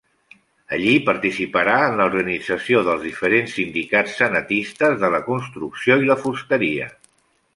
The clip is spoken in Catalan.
Allí participarà en l'organització dels diferents sindicats cenetistes de la construcció i la fusteria.